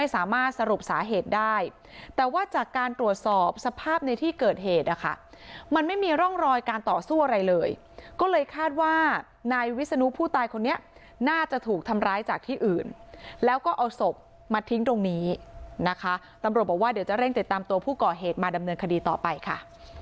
สามารถสรุปสาเหตุได้แต่ว่าจากการตรวจสอบสภาพในที่เกิดเหตุนะคะมันไม่มีร่องรอยการต่อสู้อะไรเลยก็เลยคาดว่านายวิศนุผู้ตายคนนี้น่าจะถูกทำร้ายจากที่อื่นแล้วก็เอาศพมาทิ้งตรงนี้นะคะตำรวจบอกว่าเดี๋ยวจะเร่งติดตามตัวผู้ก่อเหตุมาดำเนินคดีต่อไปค่ะ